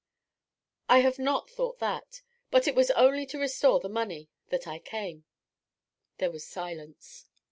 'I have not thought that. But it was only to restore the money that I came.' There was silence.